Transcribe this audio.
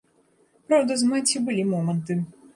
Праўда, з маці былі моманты.